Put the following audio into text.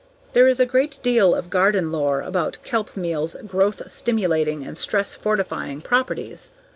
There is a great deal of garden lore about kelp meal's growth stimulating and stress fortifying properties.